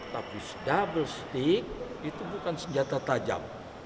tapi double stick itu bukan senjata tajam